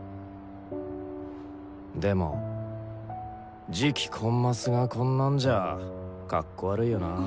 でも次期コンマスがこんなんじゃかっこ悪いよなぁ。